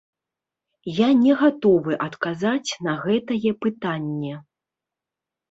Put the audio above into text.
Я не гатовы адказаць на гэтае пытанне.